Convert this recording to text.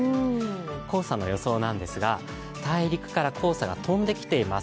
黄砂の予想なんですが、大陸から黄砂が飛んできています。